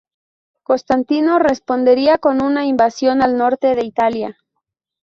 Constantino respondería con una invasión al norte de Italia.